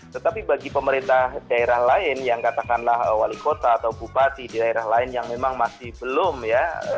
tetapi bagi pemerintah daerah lain yang katakanlah wali kota atau bupati di daerah lain yang memang masih belum ya